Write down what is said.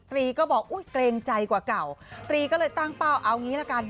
ตรีก็บอกอุ้ยเกรงใจกว่าเก่าตรีก็เลยตั้งเป้าเอางี้ละกัน